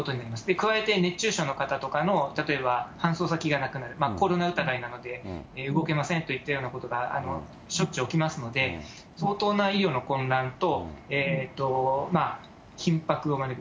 加えて熱中症の方などの例えば搬送先がなくなる、コロナ疑いなので動けませんといったようなことが、しょっちゅう起きますので、相当な医療の混乱と、ひっ迫を招く。